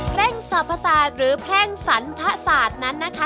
แพร่งสับประสาทหรือแพร่งสรรพสาทนั้นนะคะ